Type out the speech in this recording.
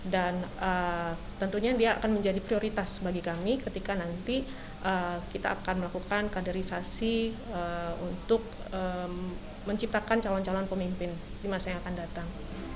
dan tentunya dia akan menjadi prioritas bagi kami ketika nanti kita akan melakukan kaderisasi untuk menciptakan calon calon pemimpin di masa yang akan datang